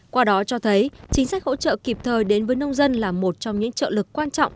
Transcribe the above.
qua đó cho thấy chính sách hỗ trợ kịp thời đến với nông dân là một trong những trợ lực quan trọng